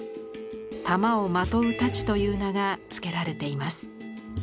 玉を纏う太刀という名が付けられています。